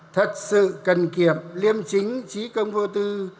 thật sự cần kiệm liêm chính trí công vô tư